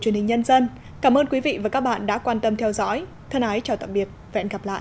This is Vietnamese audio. truyền hình nhân dân cảm ơn quý vị và các bạn đã quan tâm theo dõi thân ái chào tạm biệt và hẹn gặp lại